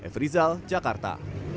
f rizal jakarta